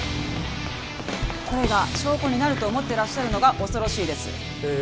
これが証拠になると思ってらっしゃるのが恐ろしいですええ